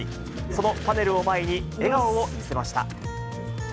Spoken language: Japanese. そのパネルを前に笑顔を見せました。